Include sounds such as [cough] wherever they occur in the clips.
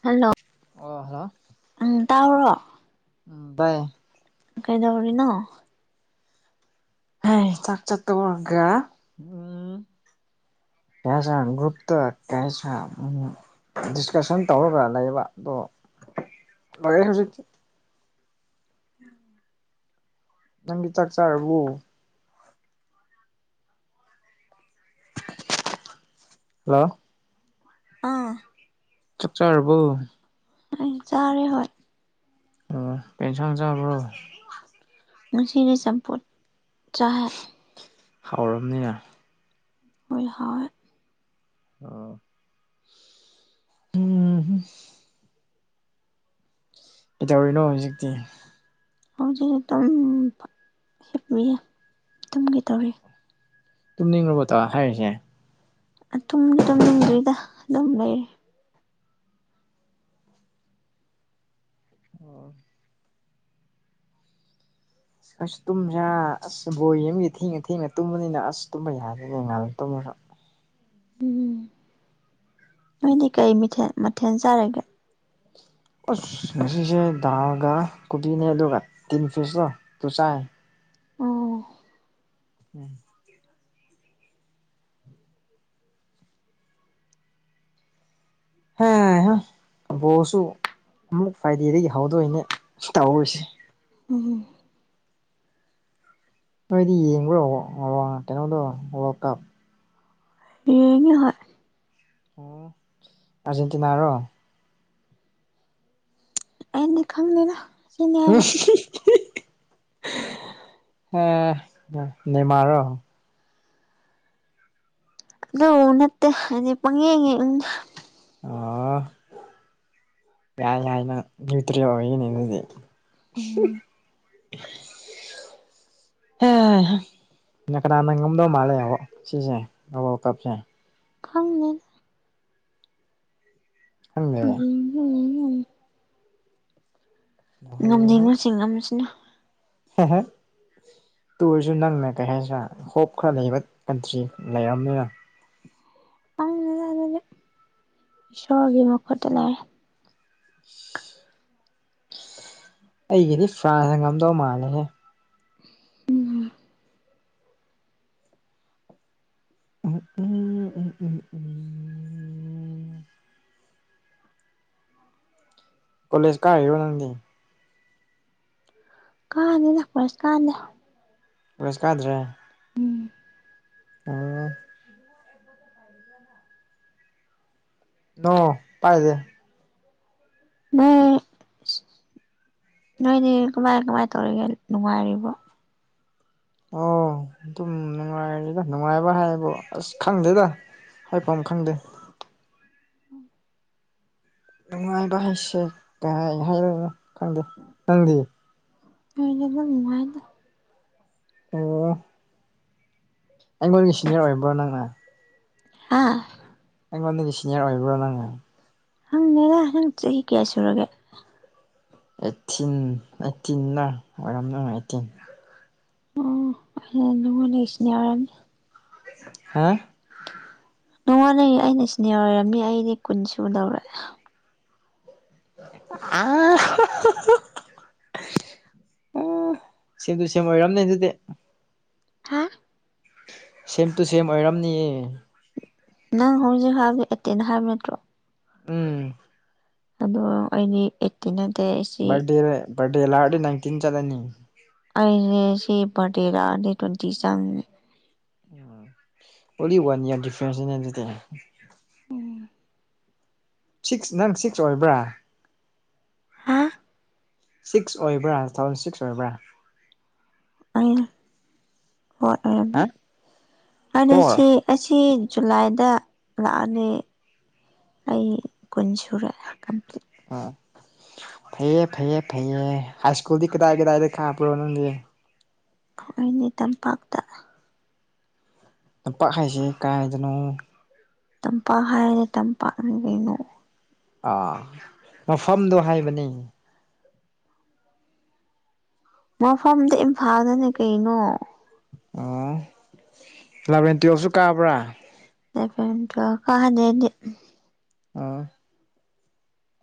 Hello ꯑꯣ hello ꯎꯝ ꯇꯥꯕ꯭ꯔꯣ ꯎꯝ [unintelligible] ꯀꯩꯗꯧꯔꯤꯅꯣ ꯍꯩ ꯆꯥꯛ ꯆꯥ ꯇꫭꯛꯑꯒ ꯎꯝ ꯀꯌꯥꯁꯥ ꯒꯨꯔꯞꯇꯥ ꯀꯌꯥ ꯁꯥ ꯎꯝ ꯗꯤꯁꯀꯁꯟ ꯇꯧꯔꯒ ꯂꯩꯕ ꯑꯗꯣ ꯂꯣꯏꫪꯦ ꯍꯧꯖꯤꯛꯇꯤ [unintelligible] ꯅꯪꯗꯤ ꯆꯥꯛ ꯆꯥꯔꯕꯣ ꯂꫭ ꯑꯥ ꯆꯥꯛ ꯆꯥꯔꯕꯣ ꯑꯩ ꯆꯥꯔꯦ ꯍꯣꯏ ꯑꯣ ꯀꯩ ꯑꯦꯟꯁꯥꯡ ꯆꯕ꯭ꯔꯣ ꯉꯁꯤꯗꯤ ꯆꯞꯐꯨꯠ ꯆꯥꯏꯌꯦ ꯍꯥꯎꯔꯝꯅꯤꯅ ꯍꯣꯏ ꯍꯥꯎꯋꯦ ꯑꯣ ꯎꯝ ꯍꯝ ꯀꯩꯗꯧꯔꯤꯅꯣ ꯍꯧꯖꯤꯛꯇꯤ ꯍꯧꯖꯤꯛ ꯑꯗꯨꯝ ꯍꯤꯞꯄꯤꯌꯦ ꯑꯗꯨꯝ ꯀ ꯇꯧꯔꯤ ꯇꯨꯝꯅꯤꯡꯉꯨꯕꯗꯣ ꯍꯥꯏꯔꯤꯁꯦ ꯇꯨꯝꯗ ꯇꯨꯝꯅꯤꯡꯗ꯭ꯔꯤꯗ ꯑꯗꯨꯝ ꯂꯩꯔ ꯑꯣ ꯑꯁ ꯇꯨꯝꯕꯁꯥ ꯑꯁ ꯕꯣꯏ ꯑꯃꯒꯤ ꯊꯦꯡꯅ ꯊꯦꯡꯅ ꯇꯨꯝꯕꯅꯤꯅ ꯑꯁ ꯇꯨꯝꯕ ꯌꯥꯗꯅꯦꯉꯥꯜꯂ ꯇꯨꯝꯃꯦꯕ ꯎꯝ ꯅꯣꯏꯗꯤ ꯀꯩ ꯃꯤꯊꯦꯜ ꯃꯊꯦꯜ ꯆꯥꯔꯒꯦ ꯑꯁ ꯉꯁꯤꯁꯦ ꯗꯥꯜꯒ ꯀꯣꯕꯤꯅꯦ ꯑꯗꯨꯒ ꯇꯤꯟ ꯄꯤꯁꯇꯣ ꯇꯆꯥꯏ ꯎꯝ ꯎꯝ ꯍꯕꯣꯁꯨ ꯑꯃꯨꯛ ꯐ꯭ꯔꯥꯏꯗꯦꯗꯒꯤ ꯍꯧꯗꯣꯏꯅꯦ ꯇꯧꯍꯔꯤꯁꯦ ꯎꯝꯝ ꯅꯣꯏꯗꯤ ꯌꯦꯡꯕ꯭ꯔꯣ ꯀꯩꯅꯣꯗꯣ ꯋꯥꯔꯜ ꯀꯞ ꯌꯦ ꯍ ꯑꯣ ꯑꯔꯖꯦꯟꯇꯤꯅꯥ ꯔꯣ ꯏ ꯈꯪꯅꯦꯅ ꯍ ꯅꯃꯔꯣ ꯑꯗꯨ ꯅꯠꯇꯦ ꯍꯥꯏꯗꯤ ꯄꯪꯌꯦꯡ ꯑꯣ ꯌꯥ ꯌꯥꯏꯅ ꯌꯇ꯭ ꯑꯣꯏꯅꯦꯗꯤ [inaudible] ꯎꯝ ꯍ ꯅ ꯀꯅꯥꯅꯪ ꯉꯝꯗꯧ ꯃꯥꯜꯂꯦꯕ ꯁꯤꯁꯦ ꯑꯕ ꯀꯞꯁꯦ ꯈꯪꯅ ꯈꯪꯗꯦ ꯎ ꯉꯝꯖꯩꯉꯨꯁꯤꯡ ꯑꯃꯁꯤꯅ ꯍ ꯍ ꯇꯨꯔꯁꯨ ꯅꯪꯅ ꯀꯩ ꯍꯥꯏꯁꯤꯔ ꯍꯣꯞ ꯈꯔ ꯂꯩꯕ ꯀꯟꯇ꯭ꯔꯤ ꯂꯩꯔꯕꯔꯕꯅꯤꯅ ꯈꯪꯗꯦꯗ ꯑꯗꯨꯗꯤ ꯏꯁꯣꯔꯒꯤ ꯃꯈꯨꯠꯇ ꯂꯩꯔꯦ [unintelligible] ꯑꯩꯒꯤꯗꯤ ꯐ꯭ꯔꯥꯟꯁꯇ ꯉꯝꯗꯧ ꯃꯥꯜꯂꯦꯍꯦ ꯎꯝ ꯑꯣ ꯎ ꯎ ꯎꯝ ꯎꯝ ꯎꯝ ꯀꯣꯖ ꯀꯥ ꯋꯥꯅꯗꯤ ꯀꯥꯗꯦ ꯅꯥꯛꯄꯔꯁꯤ ꯀꯥꯟꯗꯦ ꯁ ꯀꯥꯗ꯭ꯔꯦ ꯎꯝ ꯑꯥ ꯀꯗ ꯅ ꯄꯥꯏꯖꯦ ꯃꯥ ꯅꯣꯏꯅꯦ ꯀꯃꯥꯏ ꯀꯃꯥꯏꯅ ꯇꯧꯔꯤꯒꯦ ꯅꯨꯡꯉꯥꯏꯔꯤꯕꯣ ꯑꯣ ꯑꯗꯨꯝ ꯅꯨꯡꯉꯥꯏꯔꯦꯗ ꯅꯨꯡꯉꯥꯏꯕ ꯍꯥꯏꯕꯣ ꯑꯁ ꯈꯪꯗꯦꯗ ꯍꯥꯏꯐꯝ ꯑꯃ ꯈꯪꯗꯦ ꯅꯨꯡꯉꯥꯏꯕ ꯍꯥꯏꯁꯦ ꯀꯥꯏ ꯍꯥꯏꯔꯅꯣ ꯈꯪꯗꯦ ꯈꯪꯗꯦ ꯑꯣꯏꯔꯕ ꯅꯨꯡꯉꯥꯏꯅ ꯇ ꯑꯩꯉꯣꯟꯒꯤ ꯁꯤꯅꯤꯌꯔ ꯑꯣꯏꯕ꯭ꯔꯣ ꯅꯪꯅ ꯑꯥ ꯅꯪꯉꯣꯟ ꯅꯗꯤ ꯁꯤꯅꯤꯌꯥꯔ ꯑꯣꯏꯕ꯭ꯔꯣ ꯅꯉꯦ ꯅꯪ ꯅꯦꯗꯥ ꯅꯪ ꯆꯍꯤ ꯀꯌꯥ ꯁꯨꯔꯒꯦ ꯑꯩꯠꯇꯤꯟ ꯑꯩꯠꯇ ꯑꯣꯏꯔꯝ ꯑꯩꯠꯇꯤꯟ ꯍ ꯅꯅꯨꯡꯉꯣꯟꯅꯦ ꯏꯁꯅꯦꯌꯔꯟ ꯍꯥꯥ ꯅꯣꯡꯉꯥꯟꯜꯅ ꯑꯩꯅ ꯁꯤꯅꯦ ꯑꯣꯏꯔꯝꯃꯤ ꯑꯩꯗꯤ ꯀꯨꯟ ꯁꯨ ꯂꯧꯔꯦ ꯑ ꯑ ꯁꯦꯝꯗꯨ ꯁꯦꯝ ꯑꯣꯏꯔꯝꯅꯦ ꯑꯗꯨꯗꯤ ꯍꯥ ꯁꯦꯝ ꯇꯨ ꯁꯦꯝ ꯑꯣꯏꯔꯝꯅꯤꯌꯦ ꯅꯪ ꯍꯧꯖꯤꯛ ꯍꯥꯏꯕꯗꯤ ꯑꯦꯇꯦꯟ ꯍꯥꯏꯕ ꯅꯠꯇ꯭ꯔꯣ ꯎꯝ ꯑꯗꯣ ꯑꯩꯗꯤ ꯇꯅꯗꯤ ꯕꯗꯤꯦꯔ ꯔꯦ ꯂ ꯍꯥꯗꯤ ꯅꯪ ꯇꯤꯟ ꯆꯗꯅꯤ ꯑꯁꯦ ꯕꯦꯗ ꯗꯦ ꯇ꯭ꯋꯦꯟꯇꯤ ꯁ ꯎꯝ ꯑꯣꯂꯤ ꯋꯥꯟ ꯏꯌꯥꯔ ꯗꯤꯐ꯭ꯔꯦꯟꯁꯗꯤ ꯁꯤꯛꯁ ꯅꯪ ꯁꯤꯛꯁ ꯑꯣꯏꯕ꯭ꯔꯥ ꯍꯥ ꯁꯤꯛꯁ ꯑꯣꯏꯕ꯭ꯔꯥ ꯇꯨ ꯊꯥꯎꯖꯟ ꯁꯤꯛꯁ ꯑꯣꯏꯕ꯭ꯔꯥ ꯑ ꯍꯣꯏ ꯑꯣꯏꯔꯝꯅꯦ ꯍꯥ ꯑꯗꯨ ꯐꯣꯔ ꯁꯤ ꯑꯁꯤ ꯖꯨꯂꯥꯏꯗ ꯂꯥꯛꯑꯅꯤ ꯑꯩ ꯀꯨꯟ ꯁꯨꯔꯦ ꯀꯝꯄ꯭ꯂꯤꯠ ꯑꯣ ꯐꯩꯌꯦ ꯐꯩꯌꯦ ꯐꯩꯌꯦ ꯍꯥꯏ ꯁ꯭ꯀꯨꯜꯗꯤ ꯀꯗꯥꯏ ꯀꯗꯥꯏꯗ ꯈꯥ ꯄꯨꯔꯣꯅ ꯅꯤ ꯇꯝꯄꯥꯛꯇ ꯂꯝꯄꯥꯛ ꯍꯥꯏꯁꯦ ꯀꯥꯏꯗꯅꯣ ꯇꯝꯄꯥꯛ ꯍꯥꯏꯔꯦ ꯇꯝꯄꯥꯛꯅ ꯀꯅꯣ ꯑꯥ ꯃꯐꯝꯗꯣ ꯍꯥꯏꯕꯅꯤ ꯃꯐꯝꯗ ꯏꯝꯐꯥꯜꯗꯅꯦ ꯀꯩꯅꯣ ꯑꯣ ꯑꯦꯂꯚꯦꯟ ꯇꯨꯌꯦꯦꯜꯐꯁꯨ ꯀꯥꯕ꯭ꯔꯥ ꯐꯇ ꯀꯍꯗꯗꯤ ꯑꯣ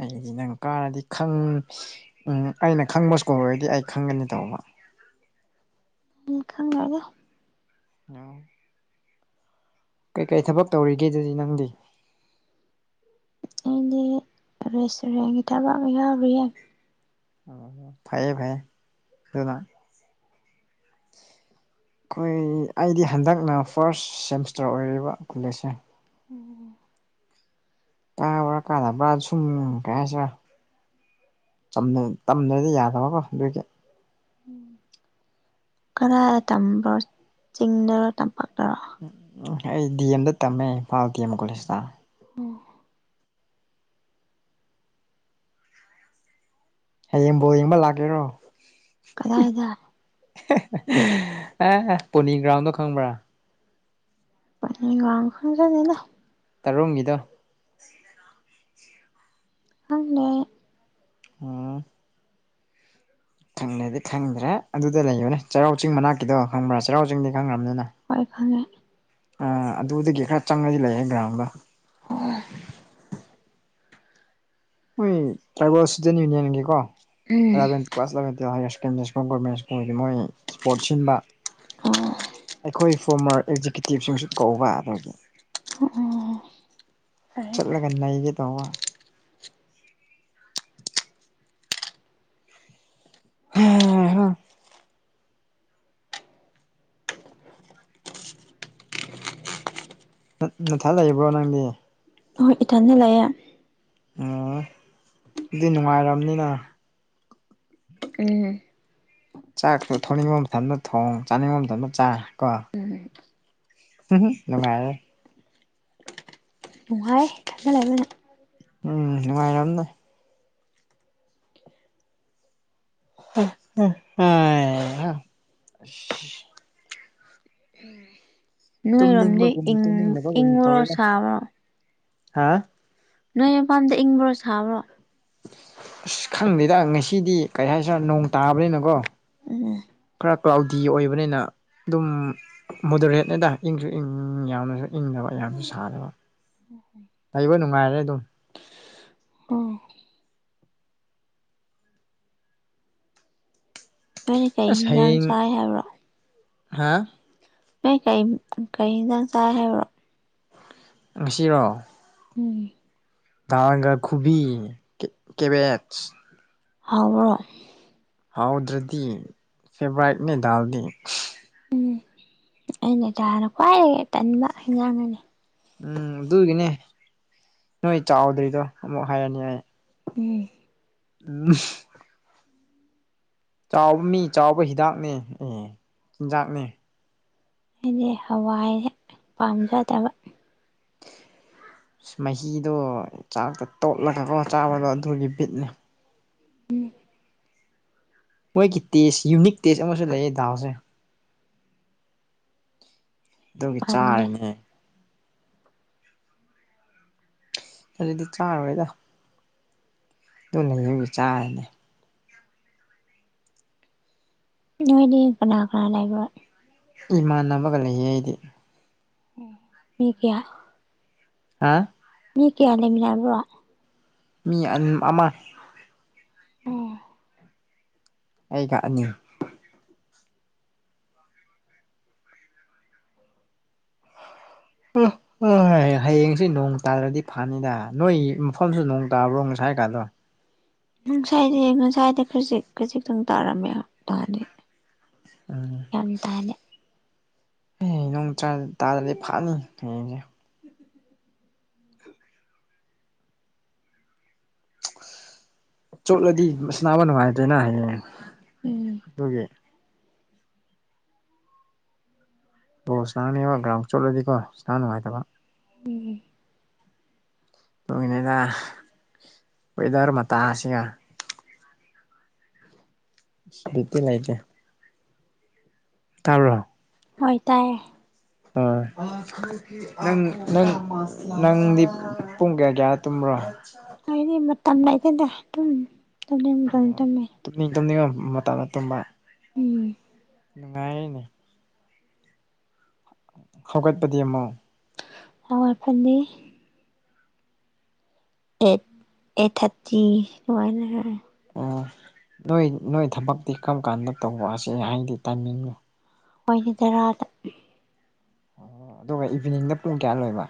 ꯑꯩꯗꯤ ꯅꯪ ꯀꯥꯔꯗꯤ ꯈꯪ ꯎꯝ ꯑꯩꯅ ꯈꯪꯕ ꯁ꯭ꯀꯣ ꯑꯣꯏꯔꯗꯤ ꯑꯩ ꯈꯪꯒꯅꯤ ꯇꯧꯕ ꯃꯤ ꯈꯪꯅꯅꯦ ꯑ ꯀꯩꯀꯩ ꯊꯕꯛ ꯇꯧꯔꯤꯒꯦ ꯑꯗꯨꯗꯤ ꯅꯪꯗꯤ ꯑꯩꯗꯤ ꯔꯦꯁꯇꯨꯔꯦꯟꯒꯤ ꯊꯕꯛ ꯑꯃ ꯌꯥꯎꯔꯤꯌꯦ ꯑꯣ ꯐꯩꯌꯦ ꯐꯩꯌꯦ ꯑꯗꯨ ꯑꯩꯈꯣꯏ ꯑꯩꯗꯤ ꯍꯟꯗꯛꯅ ꯐꯥꯔꯁ ꯁꯦꯃꯤꯁꯇꯔ ꯑꯣꯏꯔꯤꯕ ꯀꯣꯂꯦꯖꯁꯦ ꯎꯝ ꯀꯥꯕ꯭ꯔꯥ ꯀꯥꯗꯕ꯭ꯔꯥ ꯁꯨꯝ ꯀꯥꯏꯁꯤꯔꯥ ꯇꯝꯗ꯭ꯔꯗꯤ ꯌꯥꯗꯕꯀꯣ ꯑꯗꯨꯏꯒꯤ ꯀꯔ ꯇꯝꯕ꯭ꯔꯣ ꯆꯤꯡꯗꯔꯣ ꯇꯝꯄꯥꯛꯂꯔꯣ ꯎꯝꯝ ꯑꯩ ꯗꯤ ꯑꯦꯝꯗ ꯇꯝꯃꯦ ꯏꯝꯐꯥꯜ ꯗꯤ ꯑꯦꯝ ꯀꯣꯂꯦꯖꯇ ꯍꯌꯦꯡꯕꯨ ꯌꯦꯡꯕ ꯂꯥꯛꯀꯦꯔꯣ ꯀꯗꯥꯏꯗ ꯑꯦ ꯄꯣꯅꯤ ꯒ꯭ꯔꯥꯎꯟꯗꯣ ꯈꯪꯕ꯭ꯔꯥ ꯑ ꯉꯥꯎ ꯈ ꯆꯅꯤꯅ ꯇꯔꯣꯨꯝꯒꯤꯗꯣ ꯑꯪꯅ ꯑꯝ ꯈꯪꯗ꯭ꯔꯦꯗꯤ ꯈꯪꯗ꯭ꯔꯦ ꯑꯗꯨꯗ ꯂꯩꯌꯣꯅꯦ ꯆꯩꯔꯥꯎ ꯆꯤꯡ ꯃꯅꯥꯛꯀꯤꯗꯣ ꯈꯪꯕ꯭ꯔꯥ ꯆꯩꯔꯥꯎ ꯆꯤꯡꯗꯤ ꯈꯪꯈ꯭ꯔꯕꯅꯤꯅ ꯄꯣꯏꯈꯅꯦ ꯑꯗꯨꯗꯒꯤ ꯈꯔ ꯆꯪꯉꯗꯤ ꯂꯩꯑꯦ ꯒ꯭ꯔꯥꯎꯟꯗ ꯑꯣ ꯍꯣꯏ ꯇ꯭ꯔꯥꯏꯕꯦꯜ ꯏꯁꯨꯗꯦꯟ ꯌꯨꯅꯤꯌꯟꯒꯤ ꯀꯣ ꯎꯝ ꯑꯦꯂꯦꯟ ꯀ꯭ꯂꯥꯁꯂꯔꯀ ꯁꯀꯦꯟ ꯃꯣꯏꯗꯤ ꯃꯣꯏ ꯏꯁꯄꯣꯔꯠ ꯁꯤꯟꯕ ꯑꯣ ꯑꯩꯈꯣꯏ ꯐꯣꯔꯃꯔ ꯑꯦꯛꯖꯤꯀ꯭ꯌꯨꯇꯤꯞꯁꯤꯡꯁꯨ ꯀꯧꯕꯧꯕ ꯑꯗꯨꯒꯤ ꯑꯣ ꯆꯠꯂꯒ ꯅꯩꯒꯦꯗꯧꯕ [inaudible] ꯅꯊ ꯂꯩꯕ꯭ꯔꯣ ꯅꯪꯗꯤ? ꯑꯣꯏ ꯏꯊꯥꯟꯅ ꯂꯩꯌꯦ ꯑꯣ ꯗꯤ ꯅꯨꯡꯉꯥꯏꯔꯝꯅꯤꯅ꯫ ꯎꯝ ꯆꯥꯛꯁꯨ ꯊꯣꯡꯅꯤꯡꯕ ꯃꯇꯝꯗ ꯊꯣꯡ ꯆꯥꯅꯤꯡꯕ ꯃꯇꯝꯗ ꯆꯥ ꯀꯣ꯫ ꯎꯝ ꯎꯍꯨꯝ ꯅꯨꯡꯉꯥꯏꯔꯦ꯫ ꯅꯨꯡꯉꯥꯏ ꯊꯟꯅ ꯂꯩꯃꯅꯥ꯫ ꯎꯝ ꯅꯨꯡꯉꯥꯏꯔꯝꯅꯤ꯫ ꯎꯝ [unintelligible] [inaudible] ꯅꯣꯏꯔꯣꯝꯗꯤ ꯇꯨꯝꯅꯤꯡꯕꯒꯨꯝ ꯏꯪ ꯇꯨꯝꯅꯤꯡꯅꯕꯒꯨꯝ ꯏꯪꯕ꯭ꯔꯣ ꯇꯧꯋꯦꯗ ꯁꯥꯕ꯭ꯔꯣ ꯍꯥ ꯅꯣꯏ ꯃꯄꯥꯝꯗ ꯏꯪꯕ꯭ꯔꯣ ꯁꯥꯕ꯭ꯔꯣ ꯑꯁ ꯈꯪꯗꯦꯗ ꯉꯁꯤꯗꯤ ꯀꯔꯤ ꯍꯥꯏꯁꯤꯔꯥ ꯅꯣꯡ ꯇꯥꯕꯅꯤꯅꯀꯣ ꯎ ꯈ ꯀ꯭ꯂꯥꯎꯗꯤ ꯑꯣꯏꯕꯅꯤꯅ ꯑꯗꯨꯝ ꯃꯣꯗꯔꯦꯠꯅꯦꯗ ꯏꯪꯁꯨ ꯏꯪ ꯌꯥꯝꯅꯁꯨ ꯏꯪꯗꯕ ꯌꯥꯝꯁꯨ ꯁꯥꯗꯕ ꯎ ꯍꯣꯏ ꯂꯩꯕ ꯅꯨꯡꯉꯥꯏꯔꯦ ꯑꯗꯨꯝ ꯑꯣ ꯅꯣꯏꯅꯦ ꯀꯩ ꯍꯤꯟꯖꯥꯡ ꯆꯥꯏ ꯍꯥꯏꯕ꯭ꯔꯣ ꯍꯥꯥ ꯅꯣꯏꯀꯩꯝ ꯀꯩꯍꯦꯟꯖꯥꯡ ꯆꯥꯏ ꯍꯥꯏꯕ꯭ꯔꯣ? ꯉꯁꯤꯔꯣ ꯎꯝ ꯒꯥꯡꯒꯥ ꯈꯨꯕꯤ ꯀꯦꯕꯦꯠꯁ꯫ ꯍꯥꯎꯕ꯭ꯔꯣ? ꯍꯥꯎꯗ꯭ꯔꯗꯤ ꯐꯦꯚꯔꯥꯏꯅꯦ ꯗꯥꯜꯗꯤ꯫ ꯎꯝ ꯑꯅꯦꯇꯥꯥꯟꯅ ꯈ꯭ꯋꯥꯏꯗꯒꯤ ꯇꯟꯕ ꯍꯦꯟꯖꯥꯡ ꯑꯅꯤ ꯎꯝ ꯑꯗꯨꯒꯤꯅꯦ ꯅꯣꯏ ꯆꯥꯎꯗ꯭ꯔꯤꯗꯣ ꯑꯃꯨꯛ ꯍꯥꯏꯔꯅꯤ ꯑꯩ [inaudible] [inaudible] ꯆꯥꯎꯕ ꯃꯤ ꯆꯥꯎꯕ ꯍꯤꯗꯥꯛꯅꯦ ꯑꯦ ꯆꯤꯟꯖꯥꯛꯅꯦ ꯑꯩꯗꯤ ꯍꯋꯥꯏꯖꯦ ꯄꯥꯝꯖꯗꯕ꯫ ꯃꯍꯤꯗꯣ ꯆꯥꯛꯇ ꯇꯣꯠꯂꯒꯀꯣ ꯆꯥꯕꯗꯣ ꯑꯗꯨꯒꯤ ꯕꯤꯠꯅꯤ꯫ ꯃꯣꯏꯒꯤ ꯇꯦꯁ ꯌꯨꯅꯤꯛ ꯇꯦꯁ ꯑꯃꯁꯨ ꯂꯩꯌꯦ ꯗꯥꯎꯁꯦ꯫ ꯑꯩ ꯗꯨꯒꯤ ꯄꯥꯝꯗꯦ ꯆꯥꯔꯅꯦ꯫ ꯑꯗꯨꯗꯤ ꯆꯥꯔꯔꯣꯏꯗ꯫ ꯑꯗꯨꯅ ꯌꯨꯝꯒꯤ ꯆꯥꯔꯅꯦ꯫ ꯅꯣꯏꯗꯤ ꯀꯅꯥꯒ ꯂꯩꯕ? ꯏꯃꯥꯟꯅꯕꯒ ꯂꯩꯌꯦ ꯑꯩꯗꯤ꯫ ꯎꯝ ꯃꯤ ꯀꯌꯥ? ꯍꯥ__ ꯃꯤ ꯀꯌꯥ ꯂꯩꯃꯤꯟꯅꯕ꯭ꯔꯣ? ꯃꯤ ꯑꯟ ꯑꯃ ꯎꯝ ꯑꯩꯒ ꯑꯅꯤ꯫ [inaudible] ꯍ__ ꯍꯌꯦꯡꯁꯤ ꯅꯣꯡ ꯇꯥꯔꯗꯤ ꯐꯅꯤꯗ ꯅꯣꯏ ꯃꯐꯝꯁꯨ ꯅꯣꯡ ꯇꯥꯕ꯭ꯔꯣ ꯉꯁꯥꯏ ꯀꯥꯟꯗꯣ? ꯉꯁꯥꯏꯁꯦ ꯉꯁꯥꯏꯗ ꯈꯖꯤꯛ ꯈꯖꯤꯛꯇꯪ ꯇꯥꯔꯝꯃꯦꯕ ꯅꯥꯟꯗꯤ꯫ ꯎꯝ [inaudible] ꯑꯦ ꯅꯣꯡ ꯇꯥ ꯇꯥꯔꯗꯤ ꯐꯥꯅꯤ ꯍꯌꯦꯡꯁꯦ ꯆꯣꯠꯂꯗꯤ ꯃꯁ ꯅꯥꯕ ꯅꯨꯡꯉꯥꯏꯇꯣꯏꯅ ꯍꯌꯦꯡ ꯎꯝ ꯑꯗꯨꯒꯤ ꯑꯣ ꯉꯅꯥꯅꯦꯕ ꯒ꯭ꯔꯥꯎ ꯆꯠꯂꯗꯤꯀꯣ ꯉꯅꯥ ꯅꯨꯡꯉꯥꯏꯇꯕ ꯎꯝ ꯇꯅꯤꯩꯗ ꯋꯦꯗꯔ ꯃꯇꯥꯁꯤꯒ ꯁꯄꯤꯤ ꯂꯆꯦ ꯇꯥꯔꯣ ꯍꯣꯏ ꯇꯥꯏꯌꯦ ꯎꯝ ꯅꯪ ꯅꯪ ꯅꯪꯗꯤ ꯄꯨꯡ ꯀꯌꯥ ꯀꯌꯥ ꯇꯨꯝꯕ꯭ꯔꯣ? ꯑꯩꯗꯤ ꯃꯇꯝ ꯂꯩꯇꯦꯗ ꯑꯗꯨꯝ ꯇꯨꯝꯅꯤꯡ ꯃꯇꯝꯝꯇꯨꯝꯃꯦ꯫ ꯇꯨꯝꯅꯤꯡ ꯇꯨꯝꯅꯤꯡꯉ ꯃꯇꯥꯗ ꯇꯨꯝꯕ꯫ ꯎꯝ ꯅꯨꯡꯉꯥꯏꯔꯤꯅꯦ ꯍꯧꯥꯒꯠꯄꯗꯤ ꯑꯃꯨꯛ ꯑꯋꯥꯠ ꯐꯟꯅꯦ ꯑꯩꯠ ꯑꯩꯠꯊꯥꯔꯇꯤ ꯅꯨꯡꯃꯥꯏꯅ__ ꯑꯣ ꯅꯣꯏ ꯅꯣꯏ ꯊꯕꯛꯇꯤ ꯀꯝ ꯀꯥꯟꯗ ꯇꯧꯕ ꯑꯁꯤ ꯍꯥꯏꯗꯤ ꯇꯥꯏꯃꯤꯡꯗꯣ? [unintelligible] ꯑꯣ ꯑꯗꯨꯒ ꯏꯚꯤꯅꯤꯡꯗ ꯄꯨꯡ ꯀꯌꯥ ꯂꯣꯏꯕ?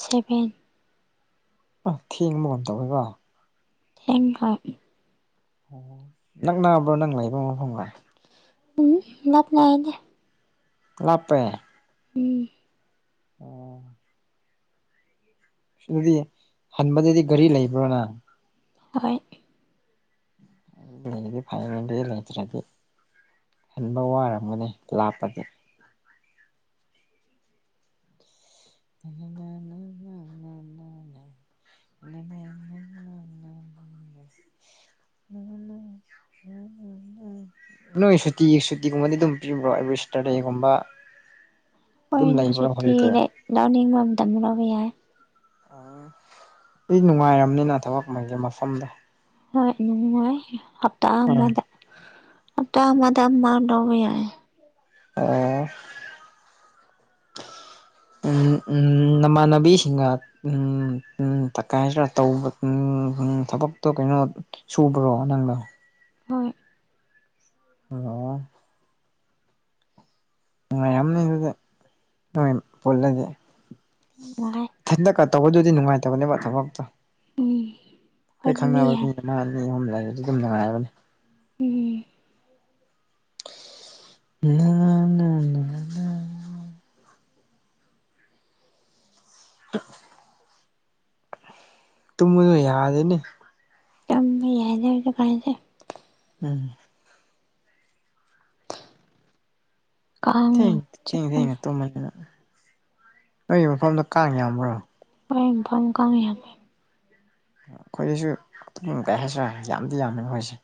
ꯁꯚꯦꯟ ꯑ ꯊꯦꯡꯕꯒꯨꯝ ꯇꯧꯋꯦꯀꯣ ꯍꯦꯡꯀꯥꯏ ꯑꯣ ꯅꯪꯅꯥꯉꯕ꯭ꯔꯣ ꯅꯪ ꯂꯩꯥꯏꯕ ꯃ ꯐꯪꯂ ꯎꯝ ꯂꯞꯅꯥꯏꯅꯦ ꯂꯄꯦ ꯎꯝ ꯑꯣ ꯑꯗꯨꯗꯤ ꯍꯟꯕꯗꯗꯤ ꯒꯥꯔꯤ ꯂꯩꯕ꯭ꯔꯣꯅ ꯑꯣꯏ ꯑꯗꯨ ꯂꯩꯗꯤ ꯐꯥꯏꯅꯦꯜꯒꯤ ꯂꯩꯇ꯭ꯔꯗꯤ ꯍꯟꯕ ꯋꯥꯔꯝꯒꯅꯤ ꯂꯥꯛꯞꯄꯗꯤ ꯅ ꯅ [unintelligible] ꯅꯣꯏ ꯁꯨꯇꯤ ꯁꯨꯇꯤꯒꯨꯝꯕꯗꯤ ꯑꯗꯨꯝ ꯄꯤꯕ꯭ꯔꯣ ꯑꯩꯕꯨ ꯏꯁꯇꯔꯗꯦꯒꯨꯝꯕ ꯍꯣꯏꯅꯦ ꯁꯨꯇꯤ ꯂꯧꯅꯤꯡꯕ ꯑꯃꯗ ꯂꯕ ꯌꯥꯏ ꯎꯝ ꯑꯩ ꯅꯨꯡꯉꯥꯏꯔꯝꯅꯤꯅ ꯊꯕꯛ ꯑꯃꯒꯤꯩꯒꯤ ꯃꯐꯝꯗ ꯍꯣꯏ ꯅꯅꯨꯡꯥꯏ ꯍꯞꯇꯥ ꯑꯥ ꯑꯃꯗ ꯍꯞꯇꯥ ꯑꯃꯗ ꯃꯥꯗꯧꯕ ꯌꯥꯏ ꯑꯣ ꯅꯃꯥꯟꯅꯕꯤꯁꯤꯡꯒ ꯎꯝ ꯎ ꯇꯀꯥꯏꯗ ꯇꯧꯕ ꯎ ꯊꯕꯛꯇꯣ ꯀꯩꯅꯣ ꯁꯕ꯭ꯔꯣ ꯅꯪꯅꯣ ꯍꯣꯏ ꯑꯣ ꯅꯨꯡꯉꯥꯏꯔꯝꯅꯦ ꯑꯗꯨꯗꯤ ꯗꯣꯏ ꯄꯣꯜꯂꯗꯤ ꯎꯂꯦ ꯍꯟꯗꯛꯀ ꯇꯧꯕꯗꯨꯗꯤ ꯅꯨꯡꯉꯥꯏꯇꯕꯅꯦꯕ ꯊꯕꯛꯇꯣ ꯎꯝ ꯑꯩꯈꯣꯏꯗꯤ ꯑꯩꯈꯣꯏ ꯈꯪꯅꯕ ꯃꯤ ꯑꯃ ꯑ ꯑꯍꯨꯝ ꯂꯩꯁꯨ ꯑꯗꯨꯝ ꯅꯨꯡꯉꯥꯏꯔꯕꯅꯤ ꯎꯝ ꯉ [unintelligible] [unintelligible] ꯇꯨꯝꯕꯗꯨ ꯌꯥꯗꯦꯅꯦ ꯄꯁꯦ ꯎꯝ ꯀꯥꯡꯅ ꯊꯦꯡꯉ ꯊꯦꯡꯉ ꯆꯤꯛꯄꯅꯦ ꯊꯦꯡꯉꯦ ꯇꯨꯝꯃꯅꯤꯅ ꯅꯣꯏꯒꯤ ꯃꯐꯝꯗꯣ ꯀꯥꯡ ꯌꯥꯝꯕ꯭ꯔꯣ ꯑꯩ ꯐꯝ ꯀꯥꯡ ꯌꯥꯝꯃꯦ ꯑꯩꯈꯣꯏꯗꯁꯨ ꯀꯩ ꯍꯥꯏꯁꯤꯔ ꯌꯥꯝꯗꯤ ꯌꯥꯝꯃꯤ ꯃꯣꯏꯁꯦ